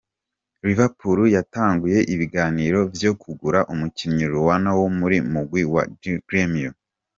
Liverpool yatanguye ibiganiro vyo kugura umukinyi Luan wo mu mugwi wa Gremio.